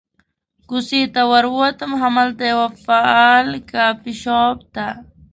کوڅې ته ور ووتم، همالته یوه فعال کافي شاپ ته.